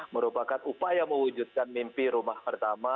merupakan upaya mewujudkan mimpi rumah pertama